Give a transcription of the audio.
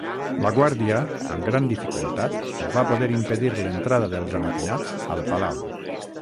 La guàrdia, amb gran dificultat, va poder impedir l'entrada dels amotinats al palau.